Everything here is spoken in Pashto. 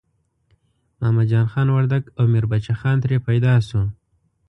محمد جان خان وردګ او میربچه خان ترې پیدا شو.